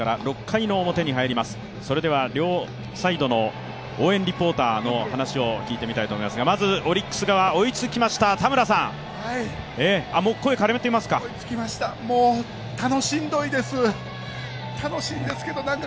それでは両サイドの応援リポーターの話を聞いてみたいと思いますが、まずオリックス側、追いつきましたたむらさん、もう声が枯れていますか？